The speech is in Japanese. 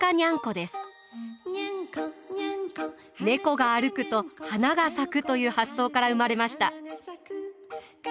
猫が歩くと花が咲くという発想から生まれました。